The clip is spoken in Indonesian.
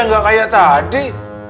enggak kayak tadi